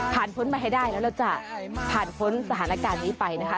พ้นมาให้ได้แล้วเราจะผ่านพ้นสถานการณ์นี้ไปนะคะ